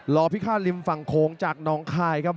พิฆาตริมฝั่งโค้งจากน้องคายครับ